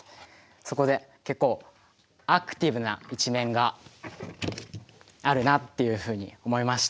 そこで結構アクティブな一面があるなっていうふうに思いました。